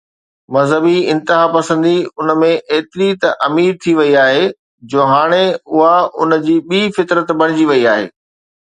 مذهبي انتها پسندي ان ۾ ايتري ته امير ٿي وئي آهي جو هاڻي اها ان جي ٻي فطرت بڻجي وئي آهي.